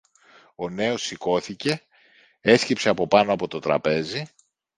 Ο νέος σηκώθηκε, έσκυψε από πάνω από το τραπέζι